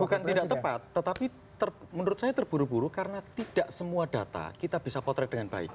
bukan tidak tepat tetapi menurut saya terburu buru karena tidak semua data kita bisa potret dengan baik